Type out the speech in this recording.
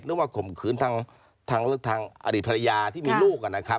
เรื่องว่าข่มขืนทางอดีตภรรยาที่มีลูกอะนะครับ